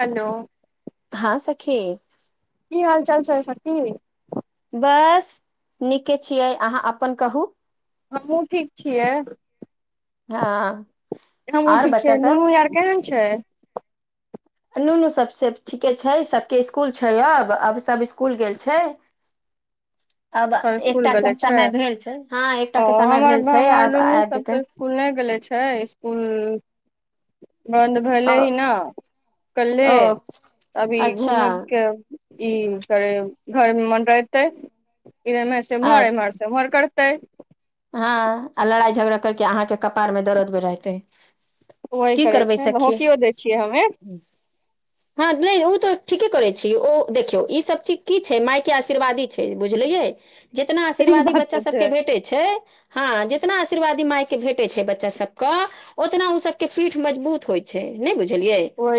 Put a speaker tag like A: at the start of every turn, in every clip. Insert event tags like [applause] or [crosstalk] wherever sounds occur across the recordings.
A: Hello.
B: हँ, सखी।
A: कि हाल चाल छै, सखी।
B: बस नीके छियै अहाँ अपन कहू।
A: हमहुँ ठीक छियै।
B: हँ।
A: हँ,
B: आर
A: ठीक
B: बच्चा
A: छै, नू
B: सब
A: यार केन छै।
B: नुनु सभसँ ठीके छै, सभके स्कूल छै अब सभ स्कूल गेल छै।
A: [inaudible]
B: अब
A: स्कुल
B: एकटा
A: भेले
B: के
A: छै,
B: समय भेल छै हँ एकटा
A: ओ
B: के समय
A: हमर
B: भेल छै आब
A: दु
B: आबि
A: सभ।
B: जेतै
A: स्कूल नहि गेले छै स्कूल बन्द
B: ओ
A: भेले हि न कल्हे
B: ओ
A: अभी
B: अच्छा
A: घुम के ई कर घर मन रहते। इ, एने से उम्हार, इमर से उमर करतै
B: हँ, आ लड़ाई झगड़ा करके अहाँकेँ कपार मे दरद भेल रहते।
A: ओही
B: की
A: करै
B: करबै
A: छै,
B: सखी
A: होकियो दै छियै हमे।
B: हँ, नहि ओ तऽ ठीके करे छी, ओ देखियौ ई सभ चीज कि छै, माय के आशीर्वादी बुझलियै जितना
A: ई
B: आशीर्वादी
A: बात
B: बच्चा
A: तऽ छै
B: सभके भेटे छै। हँ, जीतना आशीर्वादी मायके भेटैत छै, बच्चा सभके ओतना ओ सभके पीठ मजबूत होइ छै, नहि बुझलियै?
A: ओह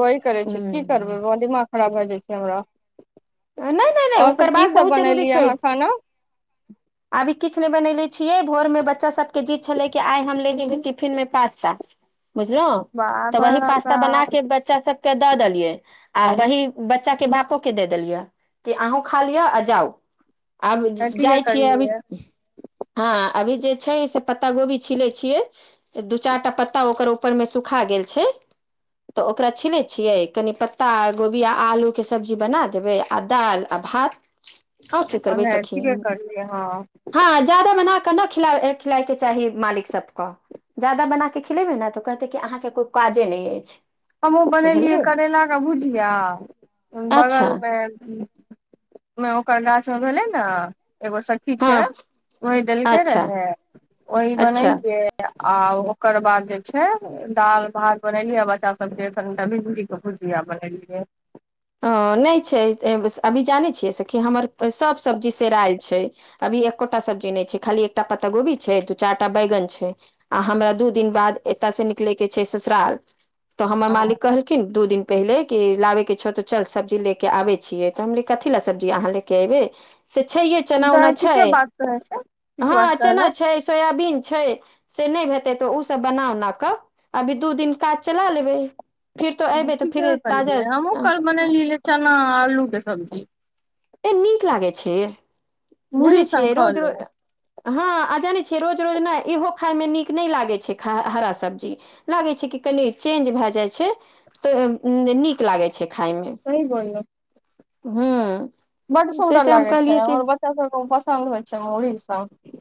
A: वही करै छै,
B: हूँ
A: कि करबै दिमाग खराब भए जाइ छै, हमरा।
B: नहि नहि नहि ओ
A: ओर सभ कि
B: करबाक
A: सभ
B: बहुत जरूरी
A: बनेलियै
B: छै
A: अहाँ खाना
B: अभी किछु नहि बनले छियै, भोर मे बच्चा सभके जीत छलै, कि आइ हम ले टिफिनमे पास्ता। बुझलहूँ तऽ
A: बाबा
B: वही पासास्ता बना के बच्चा सभ के दऽ देलियै अथि बच्चाके भापो के दे देलियै कि अहूँ ख़ा लिआ जाउ आब
A: अथीके
B: जाइ छियै अभी
A: करलियै
B: हँ, अभी जे छै, से पत्ता गोभी छिले छियै। दू चारिटा पत्ता ओकर ऊपरमे सुखा गेल छै। तऽ ओकरा छनै छियै, कनि पत्ता गोभी आ आलू के सब्जी बना देबै आ दालि आ भात। आओर की
A: ओ
B: करबै सखी
A: ठीके करलिये हँ।
B: हँ जादा बना कऽ नहि खिलऽ खिलाय के चाही मालिक सभकेँ। जादा बनाके खिलेबै ने तऽ कहते कि अहाँकेँ कोइ काजे नहि अछि।
A: हमहूँ बनेलियै
B: बुझलियै
A: करैलाके भुजिया
B: अच्छा
A: बगल मे ओकर गाछमे भेले ने एगो ठीक छै,
B: हँ
A: वही देलक
B: अच्छा
A: रहै ओह
B: अच्छा
A: बनलियै आ ओकर बाद जे छै, दालि भात बनेलियै बच्चा सभ। सभकेटा भिण्डी के भुजिया बनेलियै
B: ह, नहि छै, अभी जानै छियै, साखी हमर सभ सब्जी सेरायाल छै। अभी एकोटा सब्जी नहि छै, खाली एकटा पत्ता गोभी छै, दू चारिटा बैंगन छै। आ हमरा दू दिन बाद एतय से निकलय के छै ससुराल तऽ हमर मालिक कहलखिन दू दिन पहिले कि लाबे के छ त चल सब्जी ले के आबे छियै तऽ हमरे कथी लए सब्जी अहाँ ले के एबै से छैे चना
A: आ
B: उना छै
A: ठीके बात कहै छै ठीके बात
B: हँ चना
A: कहलौ
B: छै सोयबीन छै से नहि हेतै तऽ ओसभ बना उना कऽ अभी दू दिन काज चला लेबै फिर तो एबै तऽ फिर ताजा
A: ने ली ले चना आलू के सब्जी
B: ए नीक लागे छै जानै
A: मुरही संग
B: छियै
A: खा
B: रोज
A: लो
B: रोज हँ आ जानै छियै रोज रोज ने इहो खायमे नीक नहि लागैत छै हरा सब्जी लागै छै कि कनि चेंज भए जाइ छै तऽ नीक लागैत छै खायमे
A: सही बोलह
B: हँ
A: बड सुन्दर लागै छै हमर बच्चा सबके पसन्द होइ छै मुरी सब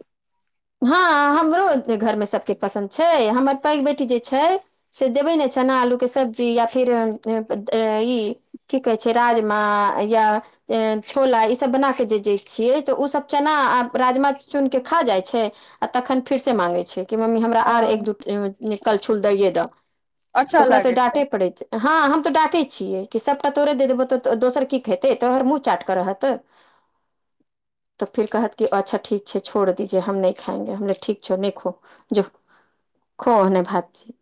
B: हँ हमरो घरमे सभके पसन्द छै हमर पैघ बेटी जे छै से देबै ने चना आलू के सब्जी या फिर ई की कहै छै राजमा या छोला ईसभ बना कऽ जे दैत छियै तऽ ओसभ चना आ राजमा चुनि कऽ खा जाइत छै आ तखन फेर से मांगै छै कि मम्मी हमरा आर एक
A: हँ
B: दू कलछुल दैए दऽ तऽ
A: अच्छा
B: ओकरा तऽ
A: लागै छै
B: डाँटे पड़ैत छै हँ हम तऽ डाकटैत छियै कि सभटा तोड़े दऽ देबौ तऽ दोसर की खेतै तो ओहर मुँह चाट कऽ रहत
A: [inaudible]
B: तऽ फिर कहत क अच्छा ठीक छै छोड़ दीजे हम नहि खाएंगे हम ठीक छौ देखो जो खोने भात छी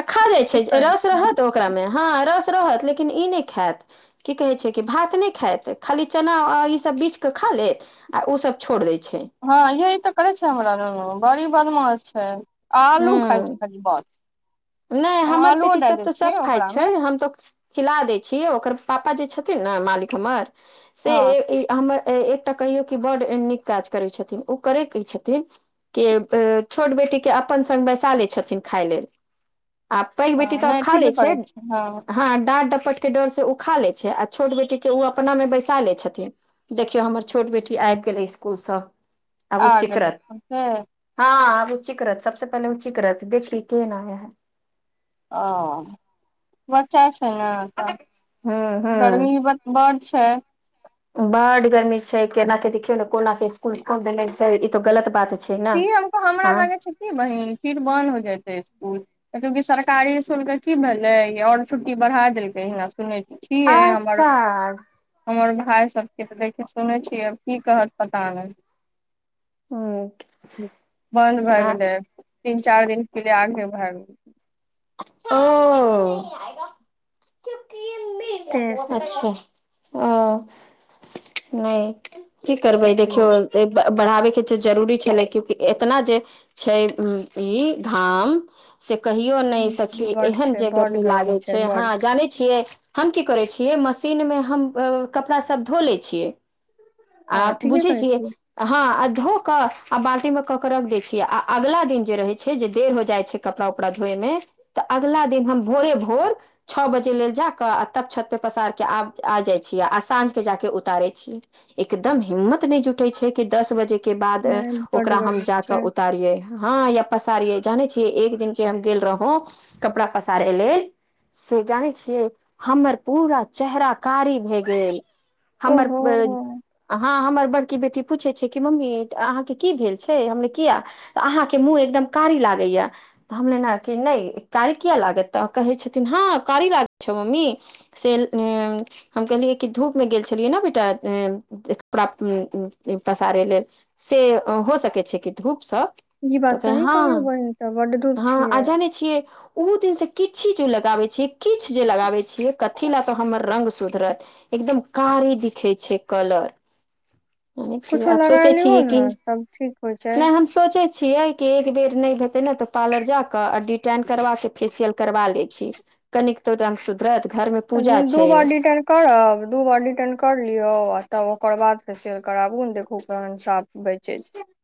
B: आ खा जाइत
A: ठीके
B: छै जे
A: करै
B: रस
A: छियै
B: रहत ओकरामे हँ रस रहत लेकिन ई नहि खायत की कहै छै कि भात नहि खात खाली चना ईसभ बीछिकेऽ खा लेत आ ओसभ छोड़ दैत छै
A: हँ यह तऽ करै छै हमरा ल बड़ी बदमास छै
B: ह
A: आलू खाइ छै खाली बस
B: नहि
A: हम
B: हमर
A: आलुओ
B: बेटी
A: डाल
B: सब
A: दै
B: तऽ
A: छियै
B: सब खाइ छै
A: ओकरामे
B: हम त खिला दै छियै ओकर पापा जे छथिन ने मालिक हमर से
A: हँ
B: हमर एकटा कहियौ कि बड्ड नीक काज करै छथिन ओ करैके छथिन के छोट बेटीके अपन सङ्ग बैसा लै छथिन खाय लेल आ पैघ बेटी
A: हँ
B: तऽ आ
A: नहि
B: खा ले
A: ठीके
B: छै
A: करै
B: हँ डाँट डबर के डर से उ खा लै छै आ छोट बेटी के ओ अपना मे बैसा लै छथिन देखियौ हमर छोट बेटी आबि गेलै इस्कुलसँ आबू
A: आ
B: ओ
A: गेलै
B: चिक्रत
A: से
B: हँ आ चिकरत सबसँ पहिले चिकरत देख केन [unintelligible]
A: ओ बच्चा छै ने तऽ
B: हूं हूं
A: गर्मी ब बड़ छै
B: बड गर्मी छै केना देखियौ कोना कऽ इसकुल यूनिफ़ॉर्म पहिरतै ई गलत बात छै ने
A: [unintelligible] हमक हमरा
B: हँ
A: लगे छै क बहिन फिर बंन्द हो जयते इसकुल कतकि सरकारी इस्कुलके की भेलै आओर छुट्टी बढ़ा देलकै हना सुनैके की है हमर
B: अच्छा
A: हमर भााय सबके तऽ देखिय सुनै छियै आ की कहत पता नहि
B: ह
A: बंद भए गेलै तीन चारि दिनक के लिए आगे भए गेल
B: ओ
A: तें से
B: अच्छा अ नहि की करबै
A: ऐसे
B: देखियौ बढ़ाबै के च छै जरूरी छलै क्यूंकि एतना जे छै ई धाम से कहियो नहि सखी
A: बड
B: एहन
A: छै
B: जे
A: बड
B: गरमी
A: गर्मी
B: लागै छै हँ
A: बड
B: जानै छियै हम की करै छियै मशीन मे हम कपड़ा सब धो लै छियै आ
A: आ ठीके
B: बुझै
A: कहै
B: छियै हँ आ धो क आ बाल्टी मे कऽ क रख दैय छियै आ अगला दिन जे रहे छै जे देर हो जाइ छै कपड़ा उपड़ा धोए मे तऽ अगला दिन हम भोरे भोर छ बजे लेल जा कऽ आ तब छत पे पसार के आब आ जाइ छियै आ साँझ के जाके उतारै छियै एकदम हिम्मत नहि जुटै छै कि दस बजे के बाद
A: नहि बड
B: ओकरा हम
A: गर्मी
B: जाकऽ
A: छै
B: उतारिये हँ या पसारियै जानै छियै एक दिन जे हम गेल रहु कपड़ा पसारै के लेल से जानै छियै हमर पूरा चेहरा कारी भए गेल हमर
A: ओहो
B: अ [unintelligible] हँ हमर बड़की बेटी पूछै छै कि मम्मी अहाँके की भेल छै हमरा किया तऽ अहाँके मुँह एकदम कारी लागैए तऽ हमले न कि नहि कारी किएलागत तऽ कहै छथिन हँ कारी लागै छौ मम्मी से हम कहलियै कि धूप मे गेल छ छलियै न बेटा कपड़ा पसारै लेल से हो सकै छै कि धूपसँ
A: ई
B: तऽ
A: बात
B: कहै
A: सही
B: हँ
A: कहलहु बहिन तऽ बड धूप
B: हँ आ
A: छियै
B: जाने छियै ओ दिनसँ किछि जो ओ लगाबै छियै किछु जे लगाबै छियै कथी लए तऽ हमर रङ्ग सुधरत एकदम कारी दिखै छै कलर छियै कि
A: कुछो
B: आब
A: लगा
B: सोचै
A: लियौ
B: छियै कि
A: ने तब ठीक होइ छै
B: नहि हम सोचै छियै के एक बेर हेते ने त पार्लर जाके आ डिटाइन करबा के फेसियल करबा लै छी कनि तो रंग सुधर घरमे
A: दू बॉडीटर करब दू बार रिटर्न कर लियौ आ तब ओकर बाद फेर सेल कराबू ने देखू के सा बजेज [unintelligible]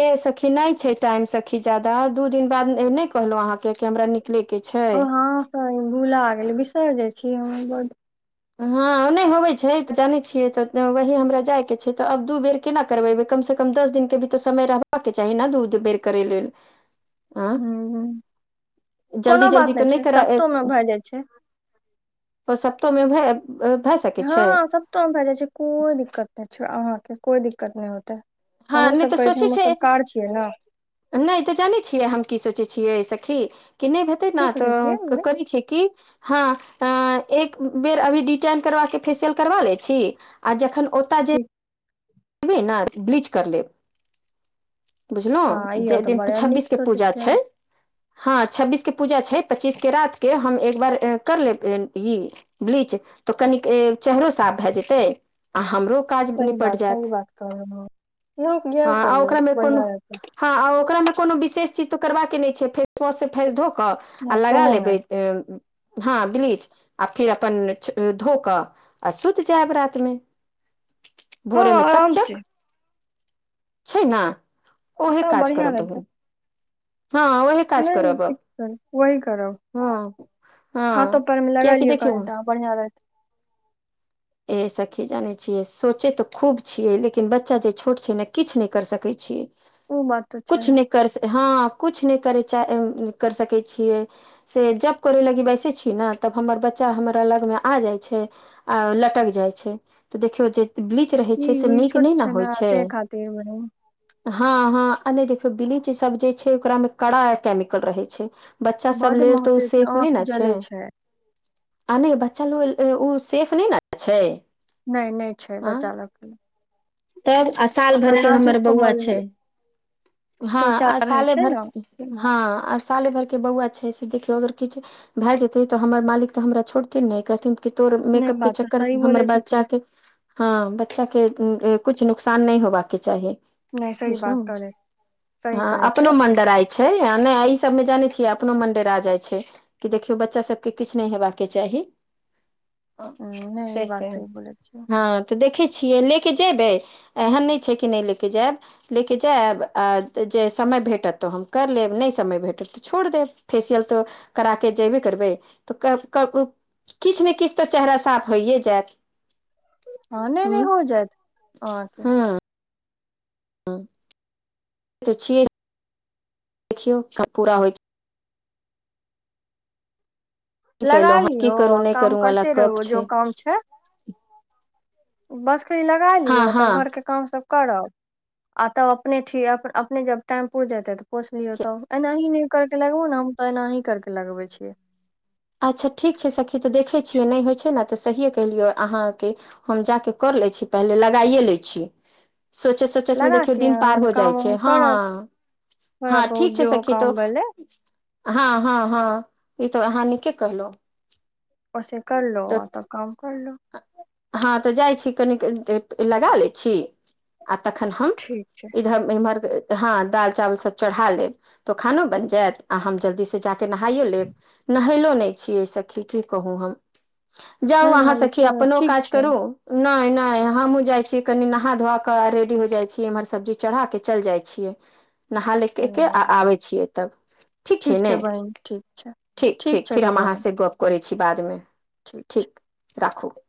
B: ए सखी नहि छै टाइम सखी जादा दू दिन बाद नहि कहलहुं अहाँ के कि हमरा न लैके छै
A: ह भुला गेलै बिसरा जाइ छी हम बड
B: हँ नहि होबे छै जानै छियै तऽ वही हमरा जाय के छै तऽ आब दू बेर केना करबेबै कम से कम दस दिन के भी तऽ समय रहबबाक के चाही ने दूध बेर करे के लेल आँ
A: हू
B: जल्दी
A: कोनो
B: जल्दी
A: बात
B: तऽ
A: नहि छै सप्तोमे भए जाइ छै
B: ओ सप्तोमे भ भए सकै छै
A: सप्तोमे भए जाइ छ कोइ दिक्कत नहि छै अहाँ के कोई दिक्कत नहि होतै
B: हँ नहि
A: हमहूँसभ
B: तऽ
A: करै छीयै
B: सोचै छै
A: हमहूँसभ कार छियै न
B: नहि तऽ जानै छियै हम की सोचै छियै सखी कि नहि
A: की
B: न
A: सोचै छियै
B: तऽ
A: भाय
B: करै छै कि हँ आं तऽ एक बेर अभी डिटाइन करबाके फेसियल करबा लै छी आ जखन ओतय जे
A: [inaudible]
B: तबे न ब्लीच कर लेब
A: हँ
B: बुझलहु
A: इहो
B: जे
A: तऽ
B: दिन
A: बड़ा नीक
B: छब्बीसके
A: सोचै
B: पूजा
A: छियै
B: छै हँ छब्बीसके पूजा छै पच्चीसके रातके हम एक बार कर लेब ई ब्लीच तऽ कनिक चेढ़हरो साफ भए जेतै आ हमरो काज
A: सही
B: निपट
A: बात
B: जायत हँ आ ओकरामे कोनो
A: [unintelligible]
B: हँ आ ओकरा में कोनो विशेष चीज तऽ करबाके नहि छै फेसवॉश से फेंस धो कऽ आ लगा
A: कोनो नहि
B: लेबै अ हँ ब्लीच आ फिर अपन धो कऽ आ सुत जायब रातमे
A: हँ
B: भोरेमेंचा छय न ओहे
A: तब
B: काज
A: बढ़िया
B: करब बहिन हँ ओहे काज
A: नय नय
B: करब
A: ठीक
B: अब
A: क वही करब
B: हँ
A: हाथो
B: हँ
A: पर मे लगा
B: कियाकि
A: लियौ
B: देखियौ
A: कनिटा बढ़िआ रह
B: एह सखी जानै छियै सोचै तऽ खूब छियै लेकिन बच्चा जे छोट छै ने किछ नहि करि सकै छियै
A: ओ बात तऽ छै
B: करस हँ कुछ नय करय चाह करि सकै छियै से जब करय लगी बैसे छी न तब हमर बच्चा हमर अ लगमे आ जाइ छै आ ल टक जाइ छै तऽ देखियौ जे ब्लीच रहै
A: ई
B: छै से
A: ई
B: नीक
A: छोट
B: नहि न
A: ने
B: होइ छै
A: ताहि खातिर बहिन
B: हँ हँ आ नय देखियौ बीच सब जे छै ओकरा में कड़ा केमिकल रहै छै बच्चा सब
A: बड
B: लेल तऽ उ
A: महकै छै
B: सेफ
A: आँख
B: नय न छै
A: जले
B: आ नय बच्चा लो उ सेफ नय न छै
A: नय नय छै
B: आ
A: बच्चा लक
B: तब आ साल भर के हमर बौआ छै हँ
A: त्वचा रहै
B: असाले
A: छै
B: भर
A: ने
B: हँ आ साले भर के बौआ छै से देखियौ अगर किछ भए जेतै तऽ हमर मालिक तऽ हमरा छोड़थिन नय कहथिन कितोर
A: नहि
B: मेकअप के
A: बात तऽ
B: चक्कर
A: सही
B: में हमर
A: बोलै
B: बच्चा
A: छथिन
B: के हँ बच्चा के कुछ नुकसान नय होबाक के चाही
A: नहि सही बात करै
B: [inaudible]
A: सही
B: हँ
A: कहै छै
B: अपनो मन डराय छै आ नय ई सभमे जानै छियै अपनो मन डेरा जाइ छै कि देखियौ बच्चा सभके किछ नय हेबाक चाही
A: हं नय इ
B: से से
A: बात सही बोलैत छिय
B: हँ तऽ देखै छियै लैऽ केऽ जेबै एहन नय छै कि नय लेऽ के जएब लेके जयब आ जे समय भेटत तऽ हम कर लेब नय समय भेटत तऽ छोड़ देब फेसियल तऽ कराकऽ जेबे करबै तऽ किछ ने किछ तऽ चेहरा साफ होइए जयत
A: हँ नय नय हो जयत अहाँके
B: हँ तऽ छीय देखियौ पूरा होइ [inaudible] छै
A: लगा
B: कलहुँ हँ की
A: लिहो
B: करू
A: आ
B: नहि
A: काम
B: करू वाला
A: करते
B: गप
A: रेहो जो
B: छै
A: काम छय बसके लगा
B: हँ
A: लियो
B: हँ
A: तब घरके काम सब करब आ तब अपने ठि अपअपने जब टाइम पूर जेतै तऽ पोसलियौ तब एनाही ने करके लगबो ने हम तऽ एनाही करके लगबे छिये
B: अच्छा ठीक छै सखी तऽ देखै छियै नय होइ छै न तऽ सहिए कहिलिय अहाँके हम जा के कर लै छी पहिले लगाइए लैइ छी सोच सोचैत मे
A: लगा
B: देखियौ
A: के
B: दिन पार
A: अहाँ
B: हो जाइ
A: काम
B: छै
A: उम
B: हँ
A: करत थोड़ा
B: हँ
A: बहुत
B: ठीक छै
A: जेहो
B: सखी तो
A: काम भेलै
B: हँ हँ हँ ई तो अहांनिके कहलहु
A: ओे कर लो आ तऽ काम करलो
B: हँ तऽ जाइ छी कनिक लगा लै छी आ तखन हम
A: ठीक छै
B: इधम इमहर हँ दाल चावल सब चढ़ा लेब तो खानो बनि जायत आ हम जल्दी से जा के नहाइयो लेब नहईलो नहि छीय सखि की कहू हम जाउ
A: नहि
B: अहाँ
A: नहाल
B: सखी अपनो
A: ठीक
B: काज
A: छै
B: करू नय नय हमहुँ जाय छीय कनी नहा धोआ के रेडी हो जाय छीय इमहर सब्जी चढ़ा के चल जाय छीयै नहा ले के के
A: हँ
B: आआबै छियै तब ठीक छै ने
A: बहिन ठीक छै
B: ठीक ठीक
A: छै
B: फिर
A: तऽ
B: हम अहाँ
A: बहिन
B: से गप करै छी बादमे ठीक राखू